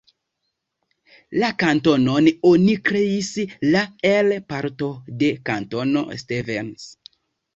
La kantonon oni kreis la el parto de Kantono Stevens.